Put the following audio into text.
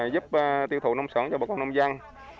giúp tiêu thụ nông sản cho bà con nông dân